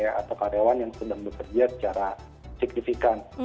atau karyawan yang sedang bekerja secara signifikan